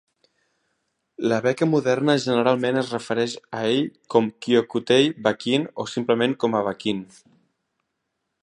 La beca moderna generalment es refereix a ell com Kyokutei Bakin, o simplement com a Bakin.